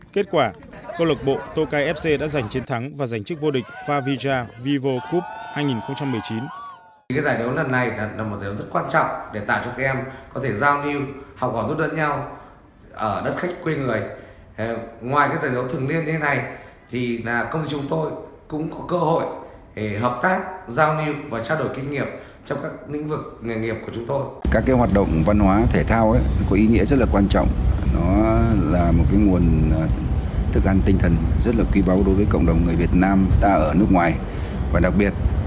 kết quả câu lộc bộ tokai fc đã giành chiến thắng và giành chức vô địch favija vivo cup hai nghìn một mươi chín